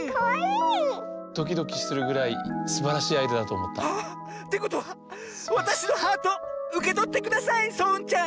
ドキドキするぐらいすばらしいアイデアだとおもった。ってことはわたしのハートうけとってくださいそううんちゃん！